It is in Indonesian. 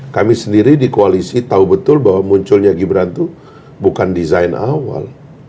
kami sendiri di koalisi tahu betul bahwa munculnya gibran itu bukan desain awal